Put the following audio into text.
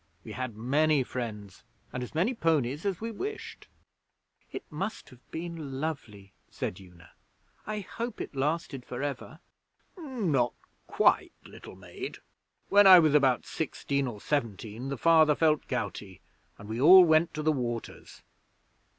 We had many friends, and as many ponies as we wished.' 'It must have been lovely,' said Una. 'I hope it lasted for ever.' 'Not quite, little maid. When I was about sixteen or seventeen, the Father felt gouty, and we all went to the Waters.'